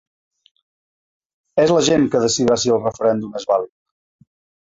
És la gent que decidirà si el referèndum és vàlid.